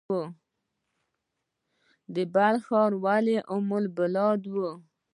بلخ ښار ولې ام البلاد و؟